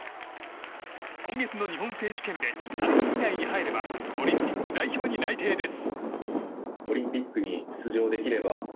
今月の日本選手権で３位以内に入ればオリンピック代表に内定です。